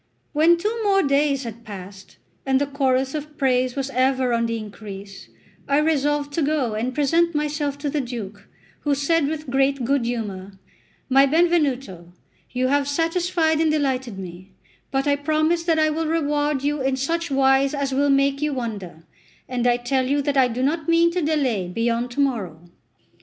XCIII WHEN two more days had passed, and the chorus of praise was ever on the increase, I resolved to go and present myself to the Duke, who said with great good humour: "My Benvenuto, you have satisfied and delighted me; but I promise that I will reward you in such wise as will make you wonder; and I tell you that I do not mean to delay beyond to morrow."